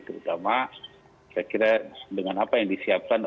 terutama saya kira dengan apa yang disiapkan